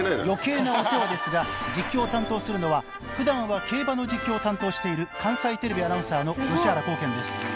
余計なお世話ですが実況を担当するのはふだんは競馬の実況を担当している関西テレビアナウンサーの吉原功兼です。